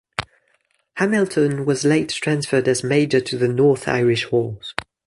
Hamilton was later transferred as major to the North Irish Horse.